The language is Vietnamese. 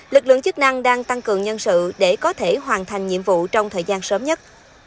lực lượng chức năng đang tăng cường nhân sự để có thể hoàn thành nhiệm vụ trong thời gian sớm nhất